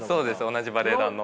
同じバレエ団の。